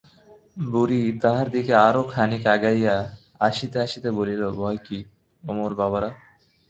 বুড়ি তাহার দিকে আরও খানিক আগাইয়া আসিতে আসিতে বলিল, ভয় কি ও মোরে বাবারা?